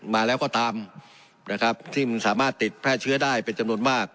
มาแล้วก็ตามนะครับที่มันสามารถติดแพร่เชื้อได้เป็นจำนวนมาก